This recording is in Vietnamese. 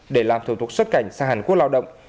để làm thủ tục xuất cảnh sang hàn quốc lao động